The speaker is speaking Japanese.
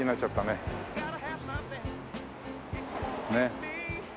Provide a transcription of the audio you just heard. ねっ。